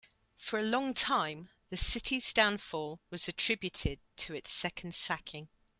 For a long time, the city's downfall was attributed to its second sacking.